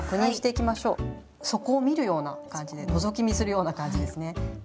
底を見るような感じでのぞき見するような感じですね。